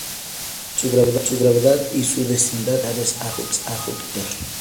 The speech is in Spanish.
Su gravedad y su densidad son similares a Júpiter